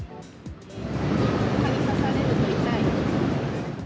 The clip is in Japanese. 蚊に刺されると痛いよ。